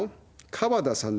川田さん。